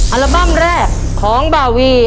อัลบั้มแรกของบาวี